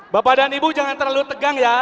bapak dan ibu jangan terlalu tegang ya